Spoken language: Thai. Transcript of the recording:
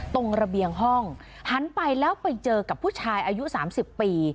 ตรงระเบียงห้องหันไปแล้วไปเจอกับผู้ชายอายุ๓๐ปี